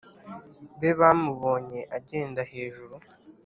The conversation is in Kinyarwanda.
Be bamubonye agenda hejuru